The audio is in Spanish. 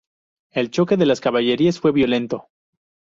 El choque de las caballerías fue violento.